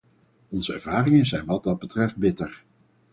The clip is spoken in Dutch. Onze ervaringen zijn wat dat betreft bitter.